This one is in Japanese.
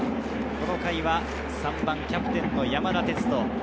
この回、３番キャプテン・山田哲人。